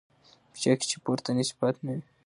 په چا كي چي پورتني صفات نه وي